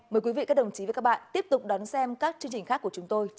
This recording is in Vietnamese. mời quý vị các đồng chí và các bạn tiếp tục đón xem các chương trình khác của chúng tôi